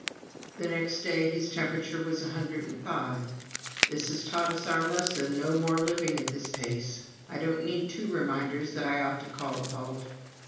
The next day his temperature was 105. "This has taught us our lesson no more living at this pace. I don't need two reminders that I ought to call a halt."